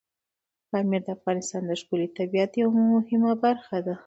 پامیر د افغانستان د ښکلي طبیعت یوه مهمه برخه ده.